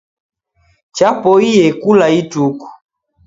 Chapoiye kula ituku